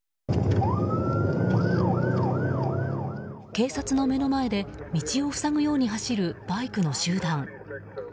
警察の目の前で道を塞ぐように走るバイクの集団。